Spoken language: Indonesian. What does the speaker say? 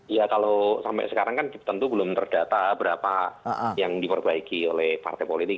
ya kalau sampai sekarang kan tentu belum terdata berapa yang diperbaiki oleh partai politik